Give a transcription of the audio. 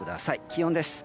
気温です。